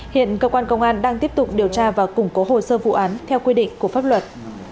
hiện cơ quan công an đang tiếp tục điều tra và củng cố hồ sơ vụ án theo quy định của pháp luật